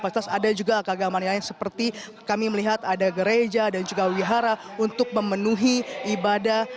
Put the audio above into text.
pasti ada juga keagaman lain seperti kami melihat ada gereja dan juga wihara untuk memenuhi ibadah